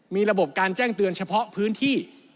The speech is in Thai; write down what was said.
มีระบบการแจ้งเตือนเฉพาะพื้นที่